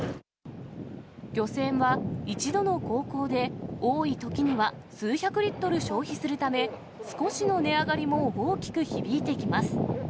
漁船は１度の航行で多いときには数百リットル消費するため、少しの値上がりも大きく響いてきます。